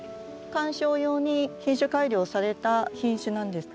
観賞用に品種改良された品種なんです。